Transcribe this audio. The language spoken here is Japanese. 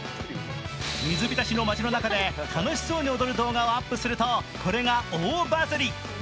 水浸しの街の中で楽しそうに踊る動画をアップするとこれが大バズり。